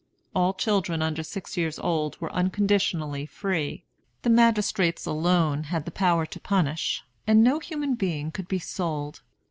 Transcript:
All children under six years old were unconditionally free, the magistrates alone had power to punish, and no human being could be sold.